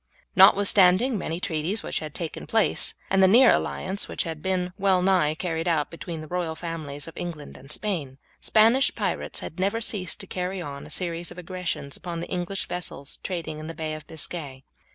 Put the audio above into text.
Notwithstanding many treaties which had taken place, and the near alliance which had been well nigh carried out between the royal families of England and Spain, Spanish pirates had never ceased to carry on a series of aggressions upon the English vessels trading in the Bay of Biscay.